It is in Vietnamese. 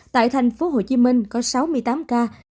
tại thành phố hồ chí minh có sáu mươi tám ca